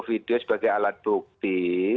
video sebagai alat bukti